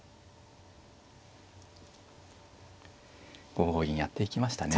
５五銀やっていきましたね。